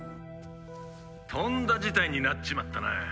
とんだ事態になっちまったな。